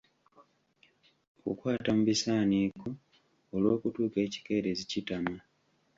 Okukwata mu bisaaniiko olw’okutuuka ekikeerezi kitama.